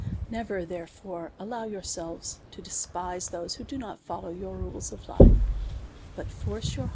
Never, therefore, allow yourselves to despise those who do not follow your rules of life ; but force your DEVOUT AND HOLY LIFE.